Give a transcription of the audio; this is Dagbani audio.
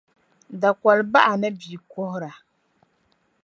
Dakoli baɣa ni bia kuhira